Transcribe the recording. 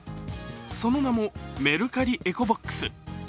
その名もメルカリエコボックス。